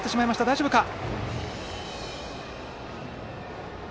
大丈夫か。